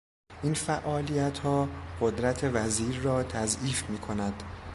این فعالیتها قدرت وزیر را تضعیف میکند.